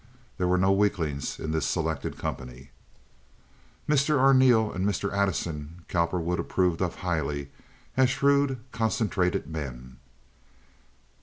There were no weaklings in this selected company. Mr. Arneel and Mr. Addison Cowperwood approved of highly as shrewd, concentrated men.